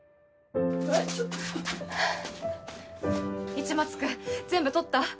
市松君全部撮った？